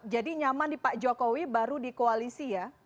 jadi nyaman di pak jokowi baru di koalisi ya